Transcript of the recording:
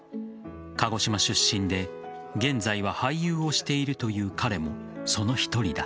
鹿児島出身で現在は俳優をしているという彼もその１人だ。